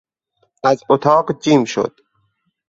از اتاق جیم شد.